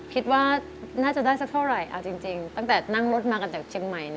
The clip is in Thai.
คิดว่าน่าจะได้สักเท่าไหร่เอาจริงตั้งแต่นั่งรถมากันจากเชียงใหม่